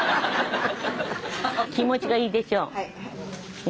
気持ちがいいでしょう？